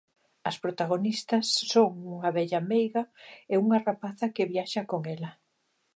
As protagonistas son unha vella meiga e unha rapaza que viaxa con ela.